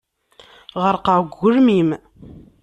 Ɣerqeɣ deg ugelmim.